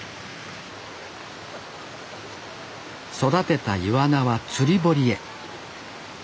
育てたイワナは釣堀へ。